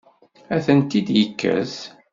Ad tent-id-yekkes?